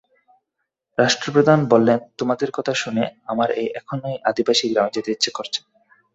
রাষ্ট্রপ্রধান বললেন, তোমাদের কথা শুনে আমার এখনই আদিবাসী গ্রামে যেতে ইচ্ছে করছে।